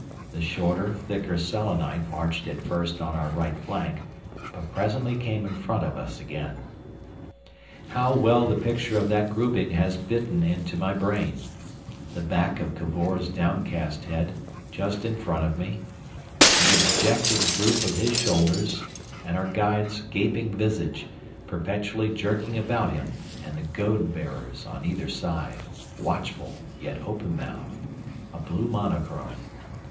The shorter, thicker Selenite marched at first on our right flank, but presently came in front of us again. How well the picture of that grouping has bitten into my brain; the back of Cavor's downcast head just in front of me, and the dejected droop of his shoulders, and our guide's gaping visage, perpetually jerking about him, and the goad bearers on either side, watchful, yet open mouthed—a blue monochrome.